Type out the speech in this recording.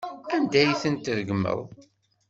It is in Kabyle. Anda ay tent-tregmeḍ?